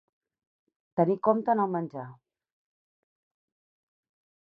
Tenir compte en el menjar.